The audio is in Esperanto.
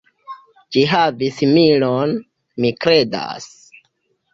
Ĝi havis milon, mi kredas.